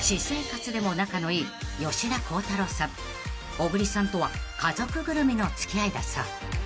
［小栗さんとは家族ぐるみの付き合いだそう］